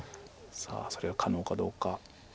さあそれは可能かどうか。